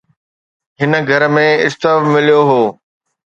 هن گهر ۾ اسٽو مليو هو